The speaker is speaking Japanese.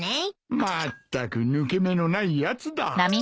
まったく抜け目のないやつだ。